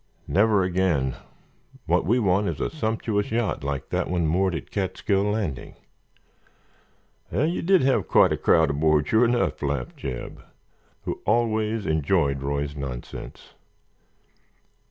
Never again! What we want is a sump tu ous yacht like that one moored at Catskill Landing!" "Wal, ye did hev quite a crowd aboard, sure enough," laughed Jeb, who always enjoyed Roy's nonsense.